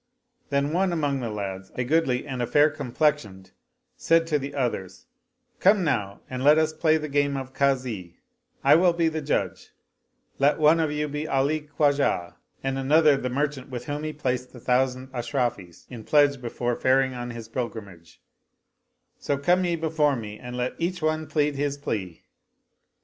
Then one among the lads, a goodly and a fair complexioned, said to the others, "Come now and let us play the game of Kazi : I will be the Judge ; let one of you be Ali Khwajah and another the merchant with whom he placed the thousand Ashrafis in pledge before faring on his pilgrimage : so come ye before me and let each one plead his plea."